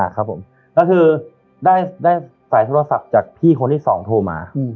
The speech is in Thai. ครับผมก็คือได้สายโทรศัพท์จากพี่คนที่สองโทรมา